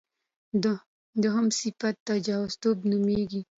دویم صفت تجویزی توب نومېږي.